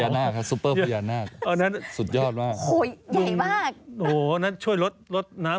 น้ำส่วนนั้นจะเยอะมากเลยนะครับ